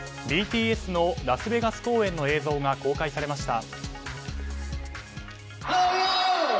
ＢＴＳのラスベガス公演の映像が公開されました。